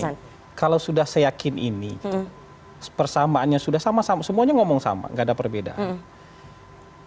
jadi begini kalau sudah saya yakin ini persamaannya sudah sama sama semuanya ngomong sama gak ada perbedaan